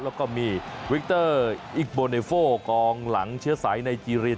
แล้วก็มีวิกเตอร์อิกโบเนโฟกองหลังเชื้อสายในจีริน